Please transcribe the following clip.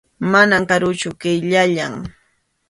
Mana karuchu, qayllallam.